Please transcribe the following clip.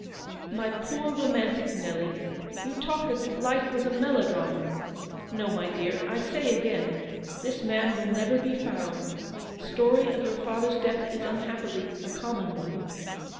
" My poor romantic Nelly, you talk as if life was a melodrama. No, my dear, I say again, this man will never be found ; the story of your father's death is unhappily a common one.